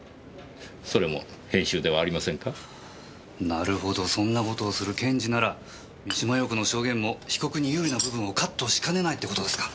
なるほどそんな事をする検事なら三島陽子の証言も被告に有利な部分をカットしかねないって事ですか？